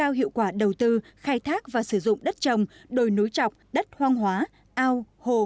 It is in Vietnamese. nâng cao hiệu quả đầu tư khai thác và sử dụng đất trồng đồi núi trọc đất hoang hóa ao hồ